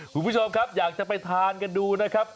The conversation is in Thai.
คุณผู้ชมครับอยากจะไปทานกันดูนะครับ